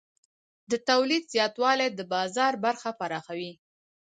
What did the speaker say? د تولید زیاتوالی د بازار برخه پراخوي.